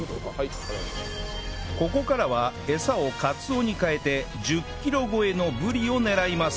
ここからは餌をカツオに変えて１０キロ超えのブリを狙います